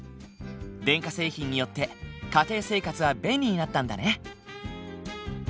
電化製品によって家庭生活は便利になったんだね。